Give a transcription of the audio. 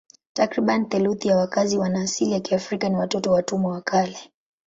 Takriban theluthi ya wakazi wana asili ya Kiafrika ni watoto wa watumwa wa kale.